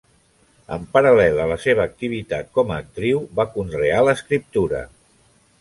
En paral·lel a la seva activitat com a actriu, va conrear l’escriptura.